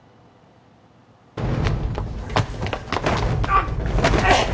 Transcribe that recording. あっ！